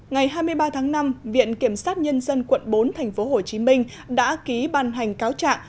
ngày hai mươi ba tháng năm viện kiểm sát nhân dân quận bốn tp hcm đã ký ban hành cáo trạng